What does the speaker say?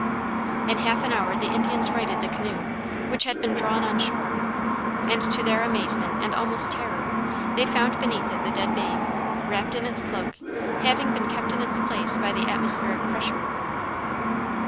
In half an hour the Indians righted the canoe, which had been drawn on shore, and, to their amazement, and almost terror, they found beneath it the dead babe, wrapped in its cloak, having been kept in its place by the atmospheric pressure.